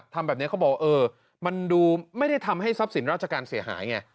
ทำแบบนี้เขาบอกว่าเออมันดูไม่ได้ทำให้ทรัพย์สินราชการเสียหายไง